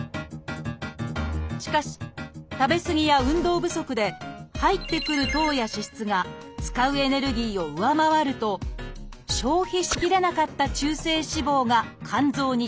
しかし食べ過ぎや運動不足で入ってくる糖や脂質が使うエネルギーを上回ると消費しきれなかった中性脂肪が肝臓に蓄積されます。